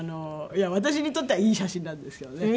私にとってはいい写真なんですけどね